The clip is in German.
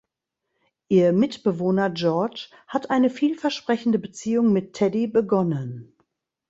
Ihr Mitbewohner George hat eine vielversprechende Beziehung mit Teddy begonnen.